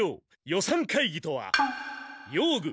予算会議とは用具